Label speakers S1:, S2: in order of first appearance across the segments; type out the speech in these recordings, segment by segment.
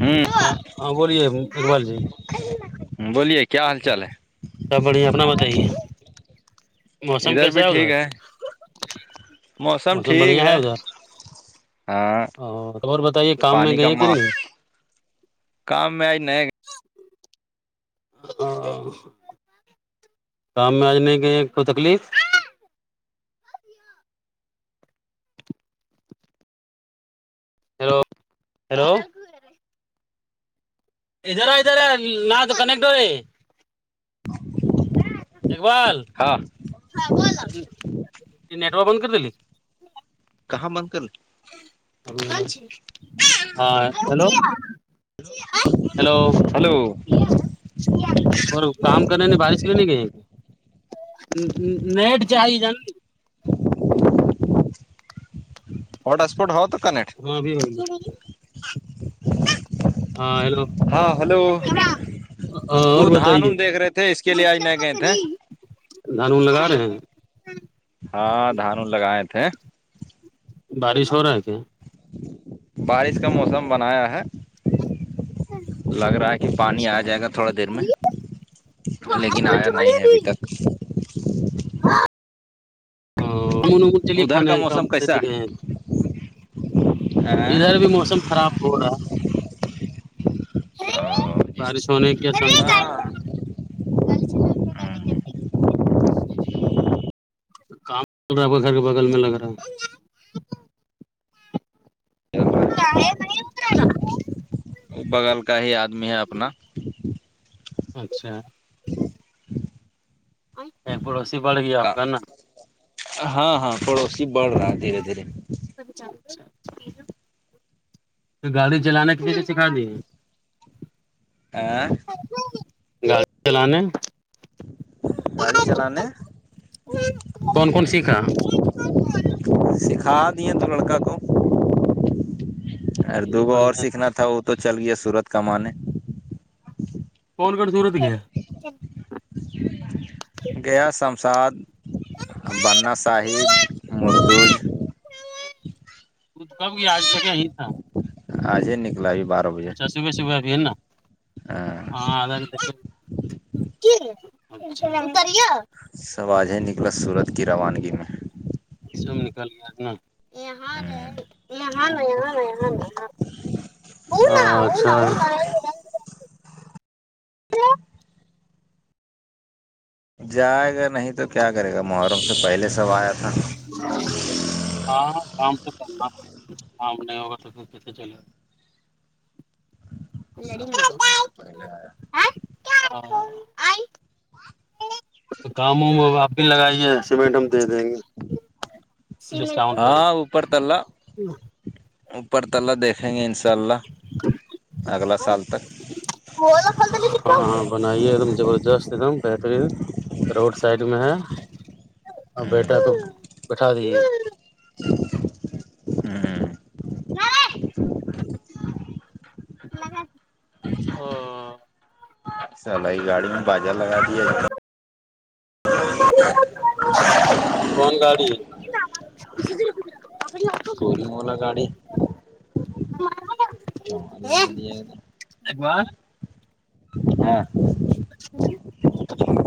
S1: ہوں
S2: ہاں بوے اربال جی
S1: بولیے کیا حال چال ہے
S2: سب بڑھیا اپنا بتائیے موسم کیسا ہے ادھر موسم بڑھیا ہے ادھر
S1: ہاں
S2: اور اور بتائیے کام میں
S1: پانی کا
S2: گئے کہ
S1: ماس
S2: نہیں
S1: کام میں آج نہیںئے گ
S2: ہ کام میں آج نہیں گئے کوئی تکلیف ہیلو ہیلو ادھرا ادھر ن تو کانیکٹر ایک بار
S1: ہاں
S2: ب نیٹورک بند کرتیلی ہاں ہیلو
S1: ہلو
S2: ہیلول اور کام کرنے نے بارش کے لیے نہیں کہئی نیٹ چاہی ج نا
S1: ہٹاسپٹ ہو تو کیک
S2: ہاں بھی گ ہاں
S1: ہاں
S2: ہیلولو
S1: ہلو
S2: ہ اور
S1: وہ دھان
S2: بتائیے
S1: ان دیکھ رہے تھے اس کے لیے آج نہیں گئے تھے
S2: دان لگا رہے ہیں
S1: ہاں دھان لگائے تھے
S2: بڑی شر ہے کیا
S1: بارش کا موسم بنایا ہے
S2: [unintelligible]
S1: لگ رہا ہے کہ پانی آ جائے گا تھوڑا دیر میں لیکن آیا نہیں ہے ابھی تک [unintelligible]
S2: [unintelligible] ہ امون امومون چلیے
S1: ادھر
S2: کانے
S1: کا موسم کیسا
S2: ہےے ہیں ادھر
S1: ہے؟
S2: بھی موسم خراب ہو رہا ہے بارش ہونے کیا
S1: ہاں
S2: کام چل رہا گھر کے بگل میں لگ رہا ہے
S1: [unintelligible]
S2: ہے نہیں اتا
S1: ا بغل کا ہی آدمی ہے اپنا
S2: اچھا ایک پڑوسی پڑ گئی آپ کا نا
S1: ہاں ہاں پڑوسی بڑھ رہا ہے دھیرے دھیرے
S2: تو گاڑی چلانا کے سکھا دی
S1: [unintelligible]
S2: گاڑی چلانے
S1: گاڑی چلانے
S2: کون کون سیکھا
S1: سکھا دیے تو لڑک کو ار دگو اور
S2: بڑھیا
S1: سیکھنا تھا وہ تو چل گیا سورت کمانے
S2: کون کون سورت کیا ہے [unintelligible]
S1: گیا شمشاد بننا شاہد مرتوج
S2: کب یہ آج تک یہ تھا
S1: آج ہی نکلاب بات
S2: اچھا صبح صبح ابھی ہے نا ہاں
S1: سب آج ہی نکلا سورت کی روانگی میں
S2: ش نکل گیا یہاں یہاں یہاںاں اچھا
S1: جائے گا نہیں تو کیا کرے گا محرم سے پہلے سب آیا تھا
S2: ہاں کام تو کرنا پتا کام نہیں ہوگا تو پھر ک
S1: سب محرم
S2: [unintelligible]
S1: پہلے آ
S2: [unintelligible]
S1: [unintelligible]
S2: کام ہ آپ بھی لگائیے سیمنٹ ہم دے دیں گے ڈسکاؤنٹ کر
S1: ہاں اوپر تلہ اوپر تلا دیکھیں گے ان شاء اللہ اگلا سال تک
S2: ہاں ہاں بنائیے ایک دم زبردست ایک دم بہترین روڈ سائڈ میں ہے اور بیٹا تو بٹھا دیے
S1: ہ ہ
S2: [unintelligible]
S1: سلائی گاڑی میں باجا لگا دیا [unintelligible]
S2: کون گاڑی
S1: پور ملا گڑی چول بگ دیا گ تھا ہاں
S2: [unintelligible]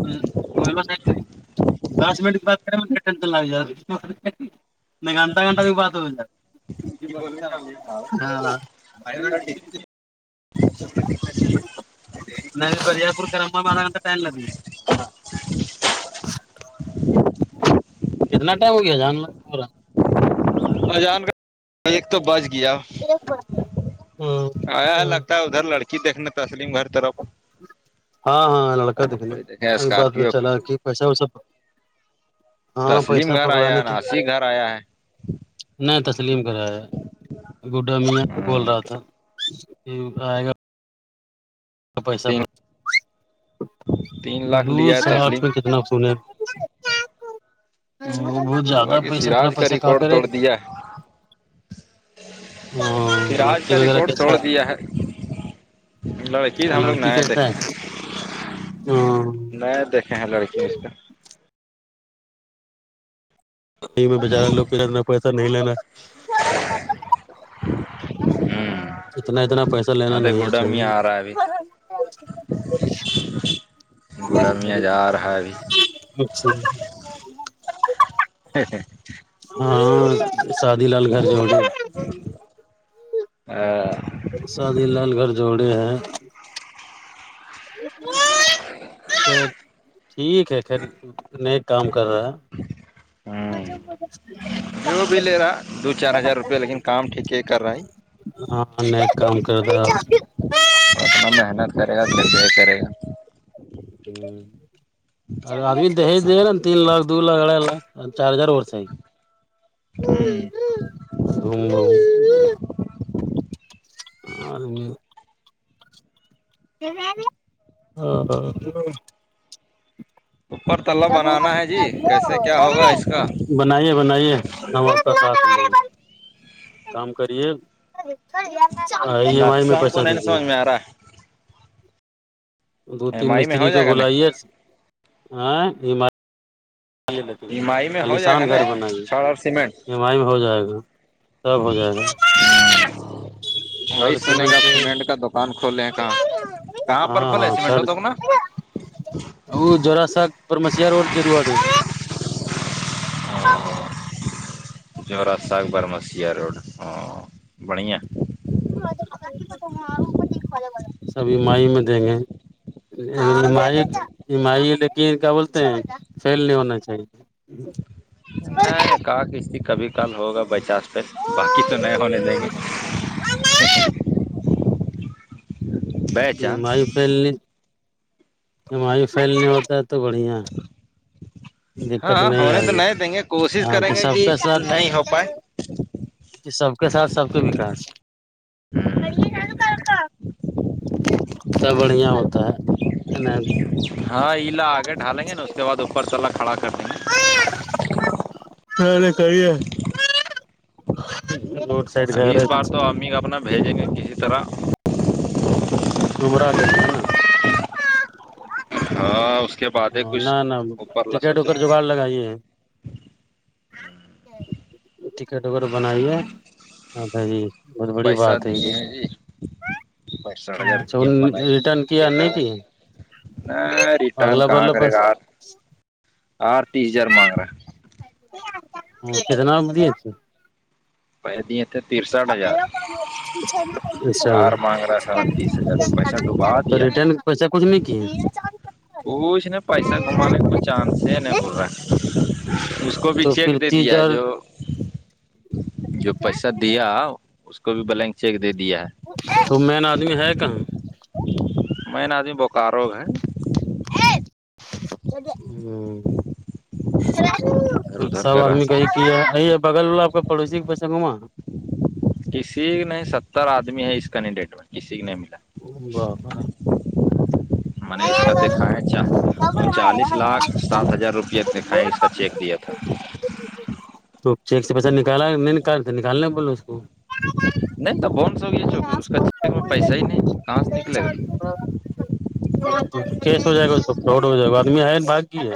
S2: [unintelligible] و س دس مٹ ب کر ل جا نہیں گھنٹا گھنٹہ بھی پات سر ہاں نہیں برجار پور کرمبا میں آھا گھٹہٹائم لگ گے کتنا ٹائم ہو گیا جان ل ہوورا
S1: ا جان کر ایک تو بچ گیا آیا
S2: پورا
S1: لگتا ہے ادھر لڑکی دیکھنے تسلیم ہر طرف
S2: ہاں ہاں لڑکا دکھنے
S1: کوئی دیکھے
S2: ا بات تو
S1: اسکارپیو
S2: چلا کہ پیسہ ویسا ہاں پیسہ
S1: تسلیم گھر آیا
S2: پکڑانے
S1: ہے
S2: کے لیے
S1: ناسی
S2: آیا
S1: گھر ہے
S2: نہیں تسلیم کرا ہے گڈا میاں بول
S1: ہاں
S2: رہا تھا آئے گا پسہ
S1: تین تین لاکھ
S2: دو
S1: لیا ہے
S2: سٹھ
S1: تسلیم
S2: میں کتنا سنے وہ وہ
S1: بولا
S2: زیادہ
S1: کہ
S2: پیسہ اتنا
S1: سراج کا
S2: پیسہ کہاں
S1: ریکارڈ
S2: کرے
S1: پھر آج
S2: لڑکی
S1: کا
S2: وغیرہ
S1: ریکارڈ توڑ
S2: کیسا
S1: دیا ہے لڑکی ہم لوگ نہیں دیکھ
S2: کیسا ہے
S1: نہیں دیکھ ہ ہ لڑکی مسٹر
S2: یہ میں بچارے لوگ اتنا پیسہ نہیں لینا اتنا اتنا پیسہ
S1: ہوں
S2: لینا
S1: ا
S2: نہیں
S1: گڈ م آ
S2: چاہیے
S1: رہا بھی [unintelligible]
S2: ہ اچھا
S1: [unintelligible]
S2: ہاں شادی لال گھر جو گا
S1: اور
S2: شادی لال گھر جوڑے ہیں تو ٹھیک ہے خھر میں ایک کام کر رہا ہے
S1: [unintelligible] ہوں وہ بھی لے رہا دو چار ہزار روپئے لیکن کام ٹھیک کر رہا ہے
S2: ہاں نے ایک کام کر رہ
S1: اتنا محنت کرے گا د کرے گا
S2: [unintelligible] اور ابھی دہیج دے نا تین لاکھ دو لاکھ اڑھ لاکھ چار ہزار اور سےاہ گ
S1: ہوں
S2: [unintelligible] اور ہاں
S1: پررتا اس کا
S2: بنے بنے کام کریے ای ایم آئی
S1: نقشہ
S2: میں
S1: ہم
S2: پیسہ
S1: کو نہیں
S2: دیجیے
S1: سمجھ میں آ رہا
S2: دو
S1: ہے
S2: تین
S1: ایم آئی میں
S2: مستری
S1: ہو
S2: کو
S1: جائے گا نا
S2: بلائیے ہال
S1: ایم آئی میں ہو جائے
S2: خالیشان
S1: گا
S2: گھر
S1: نا
S2: بنائیے
S1: چھڑ اور سیمنٹ
S2: ای ایم آئی میں ہو جائے گا سب ہو جائے گا
S1: وہی
S2: تھرڈ
S1: سنے گا آپ
S2: کے
S1: سیمنٹ کا دکان کھولیں ہیں کہاں کہاں پر کھولے سیمنٹوں توک نا
S2: ا جرا ساک پر مشیاار وڈ ج ر آٹ ہے
S1: جورا سہ بارہمسیہ روڈ ہاں بڑھیا
S2: سبھی مائی میں دیں گے ای ایمی لیکن کیا بولتے ہیں فیل نہیں ہونا چاہیے جی
S1: نہیں ک اس کبھی کل ہوگا بچاس پہ باقی تو نئے ہونے دیں گے بائی
S2: جی ایم
S1: چانس
S2: آئی پھیلنی ایم آئی پھیلنی ہوتا ہے تو بڑھیا دقت
S1: ہاں ہونے
S2: آ
S1: تو
S2: رہی
S1: نہیں دیں گے کوشش
S2: ہاں
S1: کریں گے
S2: سب
S1: کہ
S2: کے ساتھ
S1: نہیں ہو پائے
S2: سب کے ساتھ سب کے وکاس تب بڑھیا ہوتا ہے نا
S1: ہاں علا آگے ڈھالیں گے نا اس کے بعد اوپر چلا کھڑا کر دیں گے
S2: ک نہیں کرے
S1: ابھی اس بار تو امی کا اپنا بھیجیں گے کسی طرح
S2: امرااد ہے نا
S1: ہاں اس کے بعد ہی
S2: [unintelligible] نہ
S1: کچھ
S2: نہ
S1: اوپر لا
S2: ٹکٹ
S1: سوچیں
S2: وکٹ
S1: گے
S2: جگاڑ لگائیے ٹکٹ وکٹ بنائیے ہ ب جی بہت بڑی
S1: پیسہ
S2: بات ہے یہ
S1: دیے
S2: بھی
S1: ہیں جی پینسٹھ ہزار
S2: اچھا
S1: دیے
S2: ان
S1: بنائی
S2: ریٹرن کیا نہیں تھی
S1: ریٹرن
S2: [unintelligible]
S1: آ تیس ہزار مانگ رہا
S2: ہ س تو نام بجچ
S1: پ د [unintelligible]
S2: [unintelligible]
S1: ہار مانگ رہا ہے سارا تیس ہزار پیسہ ڈوبا
S2: تو
S1: دیا نا
S2: ریٹرن پیسا کچ نہیں کہ
S1: کچھ ن پیسہ کمانے کو چانس ہے ن بول رہا اس کو بھی
S2: تو
S1: چیک
S2: پھر
S1: دے
S2: تیس
S1: دیا
S2: ہزار
S1: جو جو پیسہ دیا اس کو بھی بلینک چیک دے دیا ہے
S2: تو مین آدمی ہے کہاں
S1: میںین آدمی بوکارو ہے
S2: ہ [unintelligible]
S1: ادھر ادھر
S2: سب
S1: کا رہا
S2: آدمی کای کیا ہے ہے بغل وال آپ کا پڑوسی کے پیسے گھوما
S1: کسی نہیں ستر آدمی ہے اس کنیڈیٹ میں کسی کی نہیں ملا
S2: باب [unintelligible]
S1: [unintelligible] [inaudible] میں نے اس کا دیکھا ہے ا چالیس لاکھ سات ہزار روپیہ دکھا ہے اس کا چیک دیا تھا [unintelligible] [inaudible]
S2: تو چیک سے پیسہ نکالا نہیں نکالتے نکالنے بولو اس کو
S1: نہیں تو ب
S2: س مک ر
S1: کہاں سے
S2: کوس
S1: نکلے گا
S2: کیس ہو جائے گا اس سب چوٹ ہو جائے گا آدمی آئے بھگ گ ہے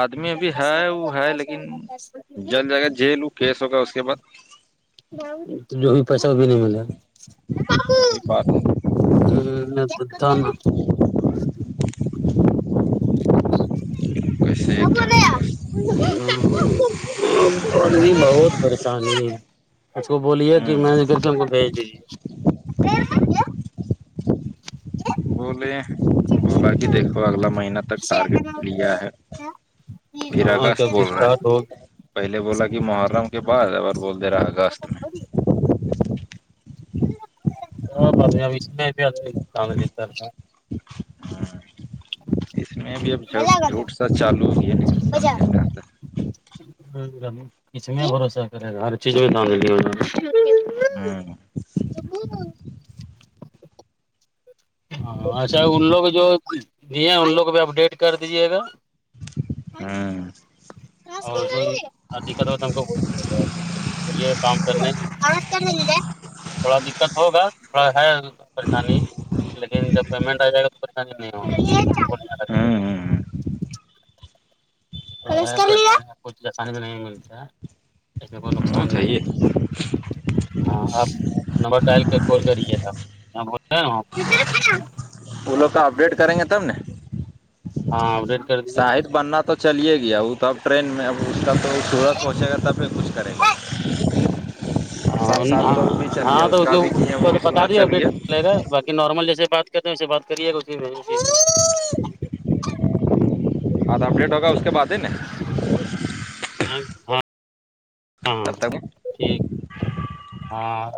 S1: آدمی ابھی ہے وہ ہے لیکن جل جائے گا جیل وہ کیس ہوگا اس کے بعد
S2: [unintelligible] جو بھی پیسہ وہ بھی نہیں ملے
S1: وہی بات ہے
S2: ا تو دان
S1: کیسے
S2: سب
S1: کیا
S2: نیا بہت پریشانی ہے اس کو بولیے کہ
S1: ہوں
S2: مج کر کے ہم کو بھیج دیجیے
S1: بولے بولا کہ دیکھو اگلا مہینہ تک ٹارگیٹ لیا ہے
S2: دیجیے ہاں
S1: پیرگست
S2: جلدی
S1: بول رہا
S2: اسٹارٹ ہوگی
S1: ہے پہلے بولا کہ محرام کے بع اار بول دے رہا ہے است میں
S2: اور بہےہبش میں چاندری سرح
S1: اس میں بھی اب جھوٹ سا چالو ہو ہے نہیں سمجھے
S2: ک میں بھروسہ کرے گا ہر چیز میں د دے دیاوں نے
S1: ہاں
S2: ببو ہ اچھا ان لوگ جو دیے ان لوگ بھی اپڈیٹ کر دیجیے گا
S1: ہاں
S2: اور جو دقت ہو ہم کو وہ دی گا کام کرنے تھوڑا دقت ہوگا تھڑا ہے پریشانی لیکن جب پیمنٹ آ جائے گا تو پریشانی نہیں ہوگی
S1: ہ
S2: کچھ آسانی بھی نہیں ملتا اس میں کوئی
S1: وہ
S2: نقصان
S1: صحیے
S2: نہیں ہاں آپ نمبر ٹائل کے کال کریے گپ بول رہ ہیں
S1: وہ لوگ کا اپڈیٹ کریں گے تب ن
S2: ہاں اپڈیٹ کر دیجیے
S1: ساہد بننا تھا تو چلے گیا وہ تو اب ٹرین میں اب اس کا تو سورت پہنچے گا تبھی کچھ کرے گا [unintelligible] [inaudible] سات تو وہ بھی چل
S2: ہاں
S1: گیا
S2: تو اس
S1: کا بھی کیا وہ بھی
S2: بتا
S1: سورج
S2: دیا
S1: چل
S2: ا ڈیٹ
S1: گیا
S2: چلے گا بای نارمل جیس بات کرتے ہیں ویے بات کری گچ جی ب ج [unintelligible] [inaudible]
S1: آ اب ڈ [unintelligible] [inaudible]
S2: ہاں ہاںاں
S1: تب تک
S2: ٹھیک ہاں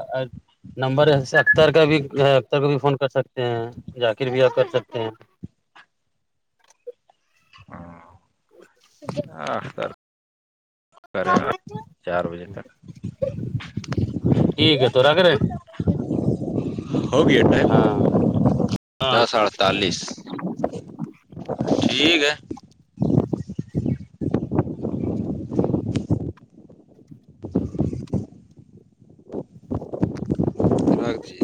S2: نمبر ہےس اختر کا بھی ہے اختر کا بھی فون کر سکتے ہیں ذاکر بھی آپ کر سکتے ہیں
S1: ہاں
S2: [inaudible]
S1: آخ سر کریں چار بجے تک
S2: ٹھیک ہے تو را رہے
S1: [inaudible] ہو گیا ٹائم
S2: ہاں ہاں
S1: دس
S2: ٹھیک
S1: اڑتالیس ٹھیک ہے
S2: [inaudible]
S1: رکھتی ہے